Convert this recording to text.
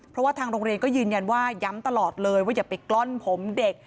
เพราะว่าทางโรงเรียนก็ยืนยันว่าย้ำตลอดเลยว่าอย่าไปกล้อนผมเด็ก